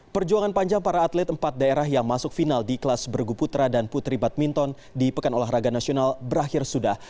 perjuangan panjang para atlet empat daerah yang masuk final di kelas bergu putra dan putri badminton di pekan olahraga nasional berakhir sudah